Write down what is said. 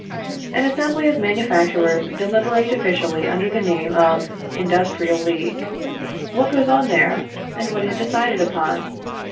An assembly of manufacturers deliberate officially under the name of Industrial League. What goes on there, and what is decided upon?